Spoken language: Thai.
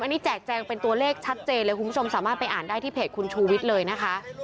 อันนี้แจกแจงเป็นตัวเลขชัดเจนเลยคุณผู้ชมสามารถไปอ่านได้ที่เพจคุณชูวิทย์เลยนะคะ